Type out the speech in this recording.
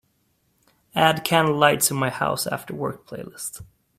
Add Candlelight to my House Afterwork playlist.